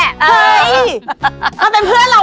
ก็เป็นเพื่อนเราป๊ะ